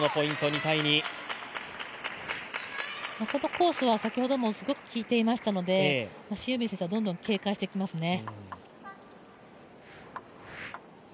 コースは先ほどもすごく効いていましたので、シン・ユビン選手はどんどん警戒してきますね。